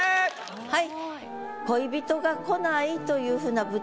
はい。